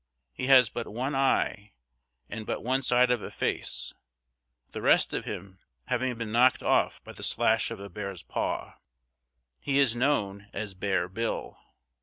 He has but one eye and but one side of a face, the rest of him having been knocked off by the slash of a bear's paw. He is known as Bear Bill.